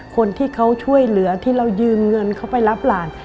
คนที่เขาช่วยเหลือที่เรายืมเงินเขาไปรับหลาน